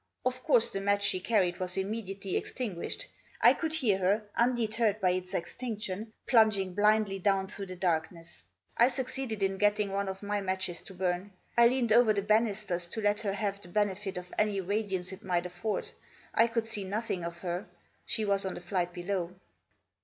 Of course the match she carried was immediately extinguished. I could hear her, undeterred by its extinction, plunging blindly down through the dark ness. I succeeded in getting one of my matches to burn. I leaned over the banisters to let her have the 10* Digitized by 148 THE JOSS. benefit of any radiance it might afford. I could see nothing of her. She was on the flight below.